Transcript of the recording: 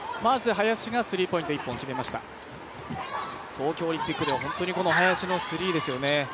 東京オリンピックでは本当にこの林のスリーですよね。